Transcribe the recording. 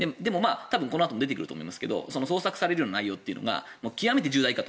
このあと出てくると思いますが捜索される内容というのが極めて重大かと。